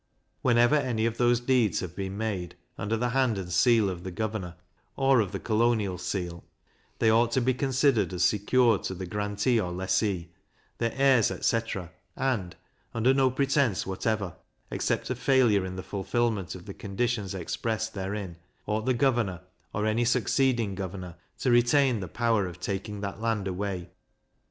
Whenever any of those deeds have been made, under the hand and seal of the governor, or of the colonial seal, they ought to be considered as secured to the grantee or lessee, their heirs, etc. and, under no pretence whatever, except a failure in the fulfilment of the conditions expressed therein, ought the governor, or any succeeding governor, to retain the power of taking that land away.